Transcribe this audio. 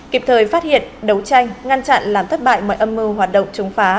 kịp thời phát hiện đấu tranh ngăn chặn làm thất bại mọi âm mưu hoạt động chống phá